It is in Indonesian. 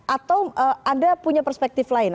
atau anda punya perspektif lain